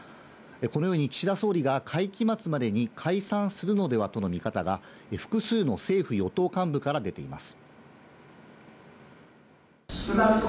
このように岸田総理が会期末までに解散するのではとの見方が複数の政府与党幹部から出ています。